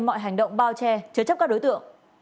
mọi hành động bao che chứa chấp các đối tượng